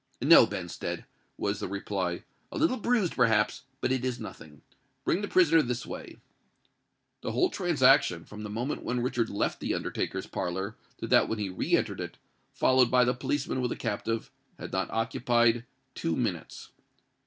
"No, Benstead," was the reply: "a little bruised, perhaps—but it is nothing. Bring the prisoner this way." The whole transaction,—from the moment when Richard left the undertaker's parlour to that when he re entered it, followed by the policemen with the captive,—had not occupied two minutes.